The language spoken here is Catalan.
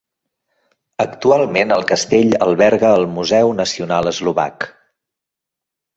Actualment el Castell alberga el Museu Nacional Eslovac.